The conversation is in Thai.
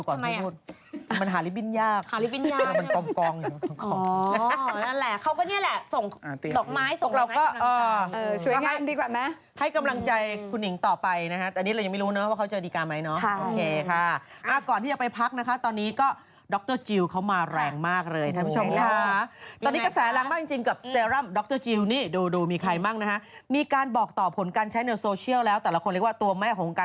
ก่อนที่จะไปพักนะคะตอนนี้ก็ดรจิลเขามาแรงมากเลยท่านผู้ชมค่ะก่อนที่จะไปพักนะคะตอนนี้ก็ดรจิลเขามาแรงมากเลยท่านผู้ชมค่ะก่อนที่จะไปพักนะคะตอนนี้ก็ดรจิลเขามาแรงมากเลยท่านผู้ชมค่ะก็ดรจิลเขามาแรงมากเลยท่านผู้ชมค่ะตอนนี้ก็ดรจิลเขามาแรงมากเลยท่านผู้ชมค่ะตอนนี้ก็ดรจิลเขามาแรงมากเลยท่านผู้ชมค่ะ